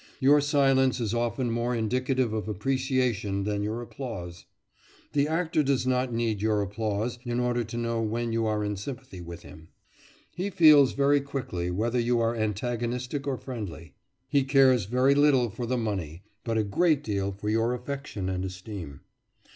Your silence is often more indicative of appreciation than your applause. The actor does not need your applause in order to know when you are in sympathy with him. He feels very quickly whether you are antagonistic or friendly. He cares very little for the money, but a great deal for your affection and esteem.